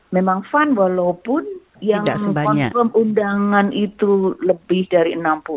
memang fun walaupun yang confirm undangan itu lebih dari enam puluh